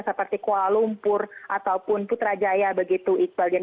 seperti kuala lumpur ataupun putrajaya begitu iqbal